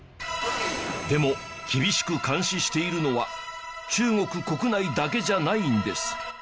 でも厳しく監視しているのは中国国内だけじゃないんです。